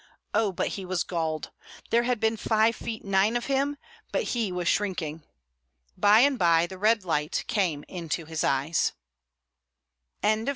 Oh, but he was galled! There had been five feet nine of him, but he was shrinking. By and by the red light came into his eyes. CHAPTER IX GALLANT BEHAVIOUR OF T.